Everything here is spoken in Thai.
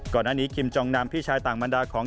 ก่อนหน้านี้คิมจองนำพี่ชายต่างบรรดาของ